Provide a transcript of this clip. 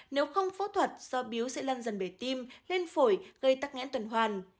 nếu không phẫu thuật do biếu sẽ lăn dần bể tim lên phổi gây tắc nghẽn tuần hoàn